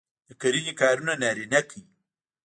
د کرنې کارونه نارینه کوي.